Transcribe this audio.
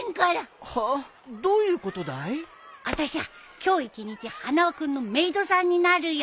あたしゃ今日一日花輪君のメイドさんになるよ。